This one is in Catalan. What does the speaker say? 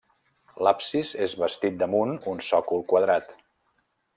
L'absis és bastit damunt un sòcol quadrat.